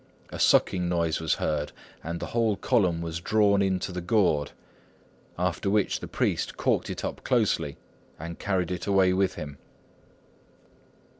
A sucking noise was heard, and the whole column was drawn into the gourd; after which the priest corked it up closely, and carried it away with him.